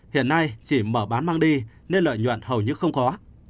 hiện nay chỉ mở bán mang đi nên lợi nhuận hầu như không có